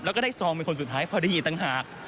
แล้วก็ได้ซองเป็นคนสุดท้ายพอได้ยินต่างหาก